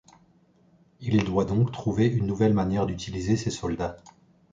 Il doit donc trouver une nouvelle manière d'utiliser ces soldats.